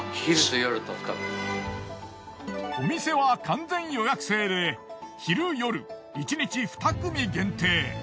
お店は完全予約制で昼夜１日２組限定。